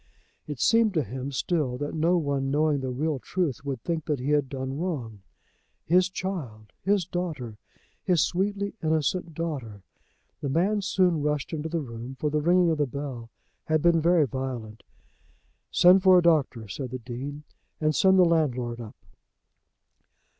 It seemed to him still that no one knowing the real truth would think that he had done wrong. His child! His daughter! His sweetly innocent daughter! The man soon rushed into the room, for the ringing of the bell had been very violent. "Send for a doctor," said the Dean, "and send the landlord up."